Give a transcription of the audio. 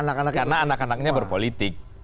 karena anak anaknya berpolitik